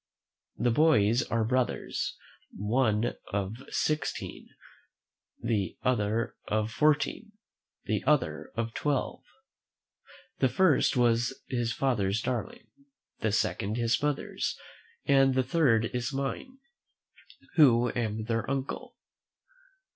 The boys are brothers, one of sixteen, the other of fourteen, the other of twelve. The first was his father's darling, the second his mother's, and the third is mine, who am their uncle.